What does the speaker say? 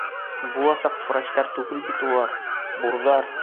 Буласаҡ врачтар түгел бит улар, бурҙар!